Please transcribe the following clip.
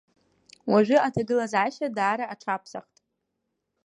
Уажәы аҭагылазаашьа даара аҽаԥсахт.